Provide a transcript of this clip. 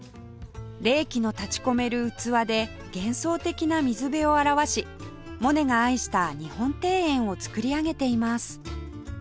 冷気の立ち込める器で幻想的な水辺を表しモネが愛した日本庭園を作り上げています